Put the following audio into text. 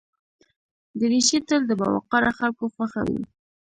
دریشي تل د باوقاره خلکو خوښه وي.